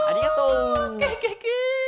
ケケケ！